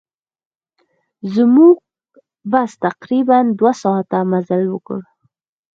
زموږ بس تقریباً دوه ساعته مزل وکړ.